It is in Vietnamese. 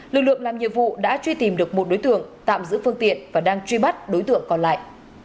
lực lượng làm nhiệm vụ đã truy tìm được một đối tượng tạm giữ phương tiện và đang truy bắt đối tượng còn lại